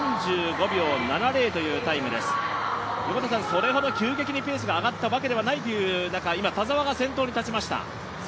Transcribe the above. それほど急激にペースが上がったわけではないという中今田澤が先頭に立ちました。